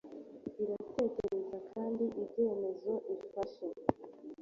iraterana kandi ibyemezo ifashe